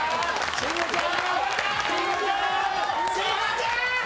慎吾ちゃん！